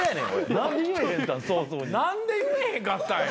何で言えへんかったんや。